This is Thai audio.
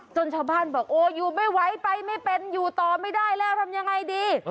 ชาวบ้านบอกโอ้อยู่ไม่ไหวไปไม่เป็นอยู่ต่อไม่ได้แล้วทำยังไงดี